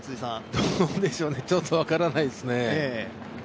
どうでしょうね、ちょっと分からないですね。